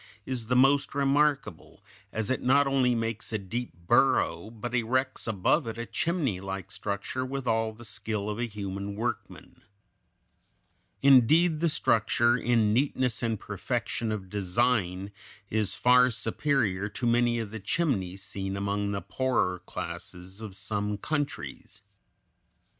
179) is the most remarkable, as it not only makes a deep burrow, but erects above it a chimneylike structure with all the skill of a human workman. Indeed, the structure, in neatness and perfection of design, is far superior to many of the chimneys seen among the poorer classes of some countries.